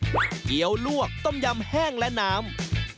เกี้ยวลวกต้มยำแห้งและน้ำ